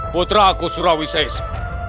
putra aku surawi sese